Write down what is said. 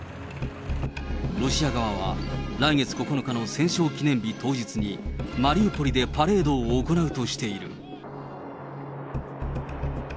ロシア側は、来月９日の戦勝記念日当日に、マリウポリでパレードを行うとしている。